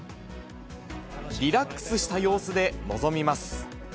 リラックスした様子で臨みます。